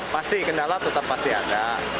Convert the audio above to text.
pasti kendala tetap pasian